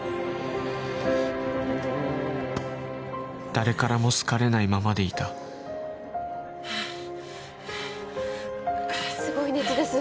誰からも好かれないままでいたすごい熱です